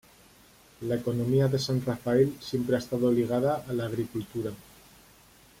La economía de San Rafael siempre ha estado ligada a la agricultura.